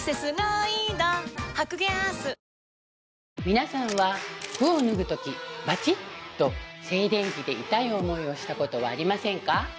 皆さんは服を脱ぐときバチッと静電気で痛い思いをしたことはありませんか？